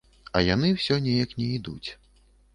А яны ўсё неяк не ідуць.